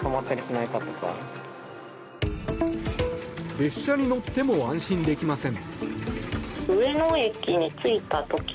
列車に乗っても安心できません。